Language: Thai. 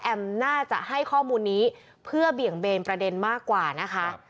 น่าจะให้ข้อมูลนี้เพื่อเบี่ยงเบนประเด็นมากกว่านะคะ